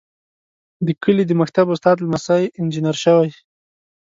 د کلي د مکتب استاد لمسی انجنیر شوی.